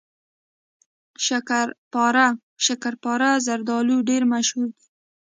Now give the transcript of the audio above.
شکرپاره زردالو ډیر مشهور دي.